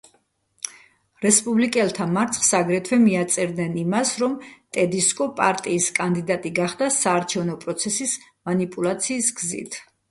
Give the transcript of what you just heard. რესპუბლიკელთა მარცხს აგრეთვე მიაწერდნენ იმას, რომ ტედისკო პარტიის კანდიდატი გახდა საარჩევნო პროცესის მანიპულაციის გზით.